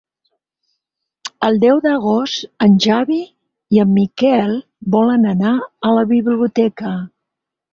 El deu d'agost en Xavi i en Miquel volen anar a la biblioteca.